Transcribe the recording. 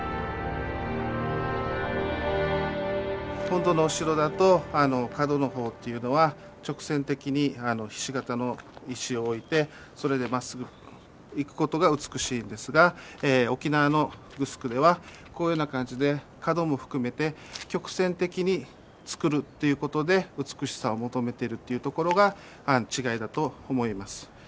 本土のお城だと角の方っていうのは直線的にひし形の石を置いてそれでまっすぐいくことが美しいんですが沖縄のグスクではこういうような感じで角も含めて曲線的につくるということで美しさを求めてるっていうところが違いだと思います。